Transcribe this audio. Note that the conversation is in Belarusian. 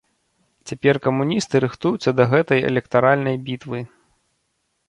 Цяпер камуністы рыхтуюцца да гэтай электаральнай бітвы.